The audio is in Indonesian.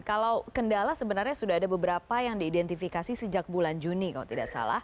kalau kendala sebenarnya sudah ada beberapa yang diidentifikasi sejak bulan juni kalau tidak salah